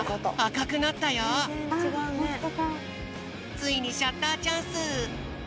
ついにシャッターチャンス。